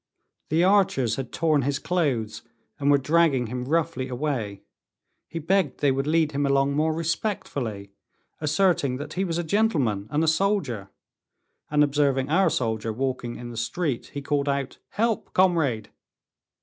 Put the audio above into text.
The archers had torn his clothes, and were dragging him roughly away. He begged they would lead him along more respectfully, asserting that he was a gentleman and a soldier. And observing our soldier walking in the street, he called out, "Help, comrade."